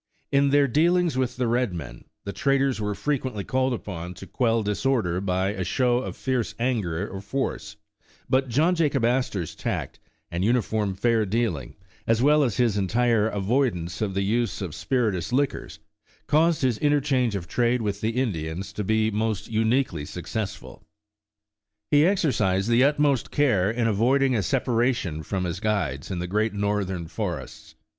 In their dealings with the red men, the traders were frequently called upon to quell disorder by a show of fierce anger or force, but John Jacob Astor 's tact, and uniform fair dealing, as well as his entire avoidance of the use of spiritous liquors, caused his interchange of trade with the Indians, to be most uniquely successful. He exercised the utmost care in avoiding a separation from his guides in the great Northern forests.